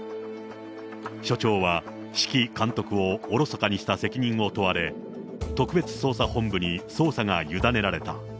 署長は指揮監督をおろそかにした責任を問われ、特別捜査本部に捜査が委ねられた。